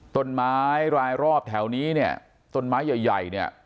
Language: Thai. ต้นไม้รายรอบแถวนี้เนี่ยต้นไม้ใหญ่ใหญ่เนี่ย